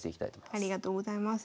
ありがとうございます。